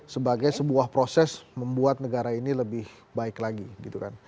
sebagai sebuah proses membuat negara ini lebih baik lagi gitu kan